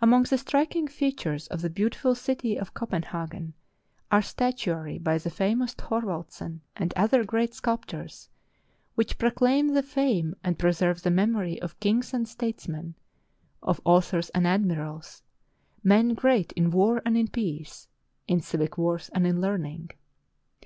Among the striking features of the beautiful city of Copenhagen are statuary by the famous Thorwaldsen and other great sculptors, which proclaim the fame and preserve the memory of kings and statesmen, of The Fidelity of Eskimo Bronlund 365 authors and admirals — men great in war and in peace, in civic worth and in learning.